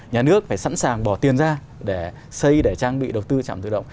nhà nước phải sẵn sàng bỏ tiền ra để xây để trang bị đầu tư trạm tự động